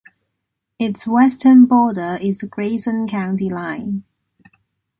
Its western border is the Grayson County line.